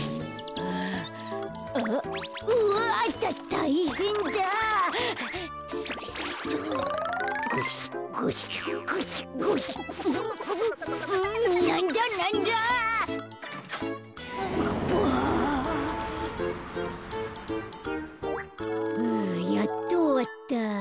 ふうやっとおわった。